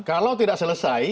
kalau tidak selesai